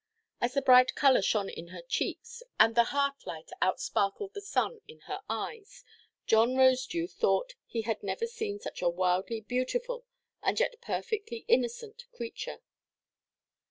As the bright colour shone in her cheeks, and the heartlight outsparkled the sun in her eyes, John Rosedew thought that he had never seen such a wildly beautiful, and yet perfectly innocent, creature.